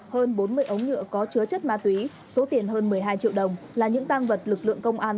hơn bốn mươi ống nhựa có chứa chất ma túy số tiền hơn một mươi hai triệu đồng là những tăng vật lực lượng công an